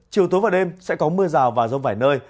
chiều tối và đêm sẽ có mưa rào và rông vài nơi